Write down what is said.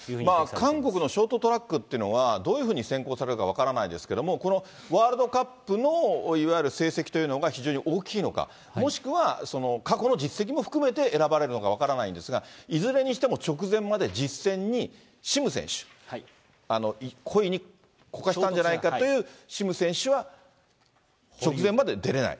韓国のショートトラックっていうのはどういうふうに選考されるか分からないですけれども、このワールドカップのいわゆる成績というのが非常に大きいのか、もしくは過去の実績も含めて選ばれるのか分からないんですが、いずれにしても直前まで実戦にシム選手、故意にこかしたんじゃないかというシム選手は直前まで出れない。